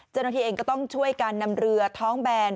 จนโทษทีเองก็ต้องช่วยการนำเรือท้องแบน